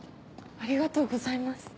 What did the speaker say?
ありがとうございます。